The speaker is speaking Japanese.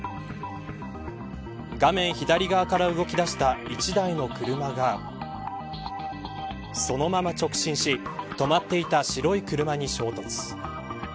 画面左側から動き出した１台の車がそのまま直進し止まっていた白い車に衝突。